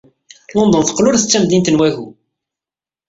London teqqel ur d tamdint n wagu.